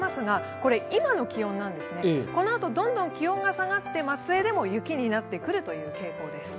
このあとどんどん気温が下がって松江でも雪になってくるという傾向です。